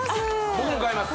僕も買います